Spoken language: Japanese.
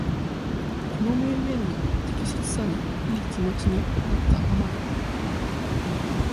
この名言の適切さにいい気持ちになった余り、